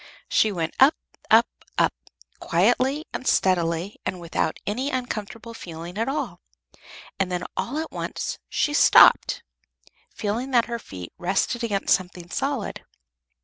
She went up, up, up, quietly and steadily, and without any uncomfortable feeling at all; and then all at once she stopped, feeling that her feet rested against something solid.